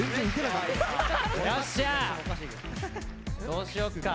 どうしよっか。